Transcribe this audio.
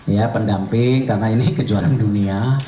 ya pendamping karena ini kejuaraan dunia